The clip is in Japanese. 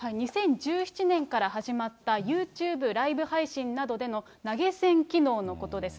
２０１７年から始まったユーチューブライブ配信などでの投げ銭機能のことです。